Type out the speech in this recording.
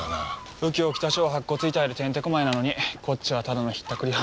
右京北署は白骨遺体でてんてこまいなのにこっちはただの引ったくり犯。